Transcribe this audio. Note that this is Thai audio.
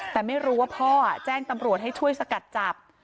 แต่ไม่รู้ว่าพ่อแจ้งตำรวจให้ช่วยสกัดจับ